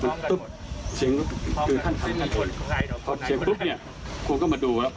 การทำให้มันตามกฎหมายจะพูดมาก